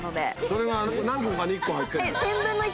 それが何個かに１個入ってんの？